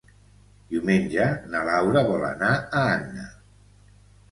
Diumenge na Laura vol anar a Anna.